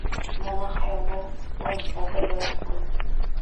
Monax ayollar o‘rislarda bo‘ladi-ku?